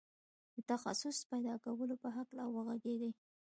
د تخصص پيدا کولو په هکله وغږېد.